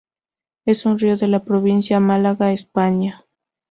Es un río de la provincia de Málaga, España.